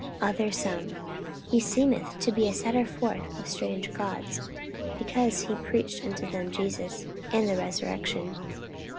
other some, He seemeth to be a setter forth of strange gods: because he preached unto them Jesus, and the resurrection.